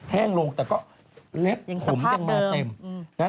แห้งโล่งแต่ก็เล็กขมยังมาเต็ม